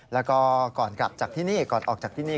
แล้วก็ก่อนกลับจากที่นี่ก่อนออกจากที่นี่